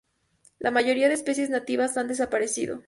La mayoría de especies nativas han desaparecido.